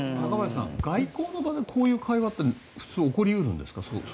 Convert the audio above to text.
外交の場でこういう会話って起こり得るんですか？